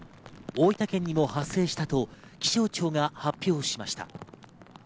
大分県にも発生したと気象庁が発表しました。